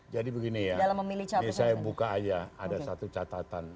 jadi begini ya ini saya buka aja ada satu catatan